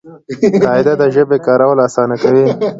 قاعده د ژبي کارول آسانه کوي.